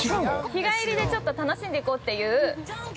◆日帰りでちょっと楽しんで行こうっていう。